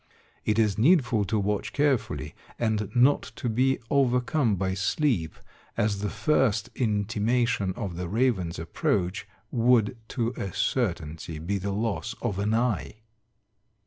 It is needful to watch carefully, and not to be overcome by sleep, as the first intimation of the raven's approach would to a certainty be the loss of an eye.